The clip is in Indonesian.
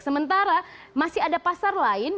sementara masih ada pasar lain